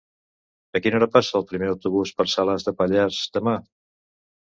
A quina hora passa el primer autobús per Salàs de Pallars demà?